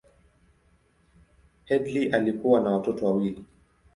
Headlee alikuwa na watoto wawili.